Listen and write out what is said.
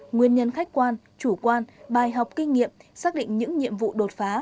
nguyên nhân khách quan chủ quan bài học kinh nghiệm xác định những nhiệm vụ đột phá